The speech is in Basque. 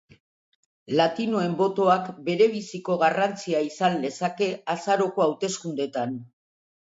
Latinoen botoak berebiziko garrantzia izan lezake azaroko hauteskundeetan.